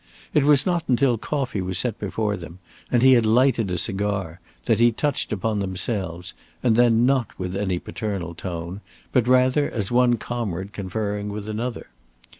It was not until coffee was set before them, and he had lighted a cigar, that he touched upon themselves, and then not with any paternal tone, but rather as one comrade conferring with another.